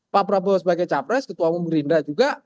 pak prabowo sebagai capres ketua umum gerindra juga